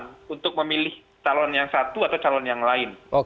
yang untuk memilih calon yang satu atau calon yang lain